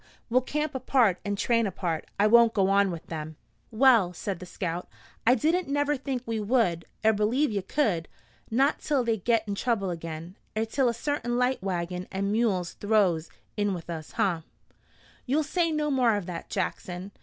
We'll camp apart and train apart. I won't go on with them." "Well," said the scout, "I didn't never think we would, er believe ye could; not till they git in trouble agin er till a certain light wagon an' mules throws in with us, huh?" "You'll say no more of that, Jackson!